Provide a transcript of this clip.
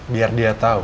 biar dia tahu